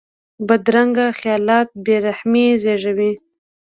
بدرنګه خیالات بې رحمي زېږوي